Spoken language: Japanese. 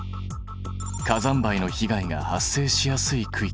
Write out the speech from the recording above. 火山灰の被害が発生しやすい区域。